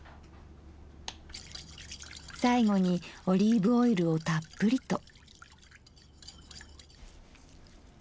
最後にオリーブオイルをたっぷりと。